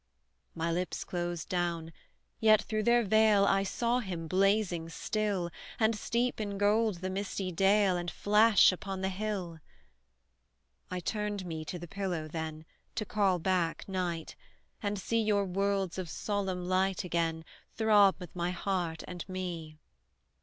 My lids closed down, yet through their veil I saw him, blazing, still, And steep in gold the misty dale, And flash upon the hill. I turned me to the pillow, then, To call back night, and see Your worlds of solemn light, again, Throb with my heart, and me!